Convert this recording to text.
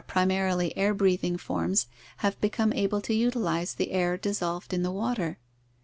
* ho"aiu primarily air breathing forms have become able ^^ to utilize the air dissolved in the water.